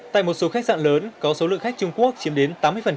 tại một số khách sạn lớn có số lượng khách trung quốc chiếm đến tám mươi